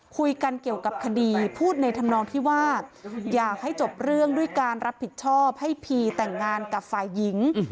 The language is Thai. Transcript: คุยกันเกี่ยวกับคดีพูดในธรรมนองที่ว่าอยากให้จบเรื่องด้วยการรับผิดชอบให้พีแต่งงานกับฝ่ายหญิง